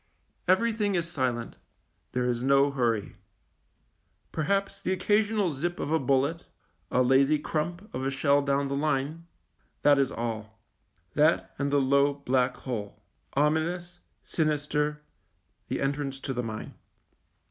Everything is silent ; there is no hurry. Perhaps the occasional zip of a bullet, a lazy crump of a shell down the line ; that is all, that and the low, black hole — ominous, sinister, the en trance to the mine.